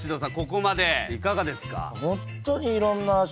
ここまでいかがですか？